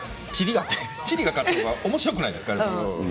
チリが勝ったほうがおもしろくないですか？